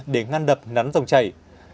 để ngăn đập nắn dòng chảy